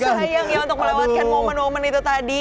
sayang ya untuk melewatkan momen momen itu tadi